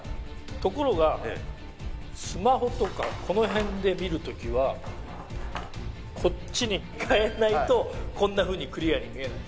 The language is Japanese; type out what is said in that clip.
ところがスマホとかこの辺で見る時はこっちにかえないとこんなふうにクリアに見えない。